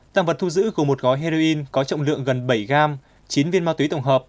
tăng vật thu giữ gồm một gói heroin có trọng lượng gần bảy gram chín viên ma túy tổng hợp